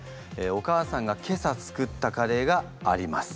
お母さんが今朝作ったカレーがあります。